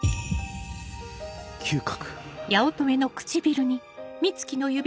嗅覚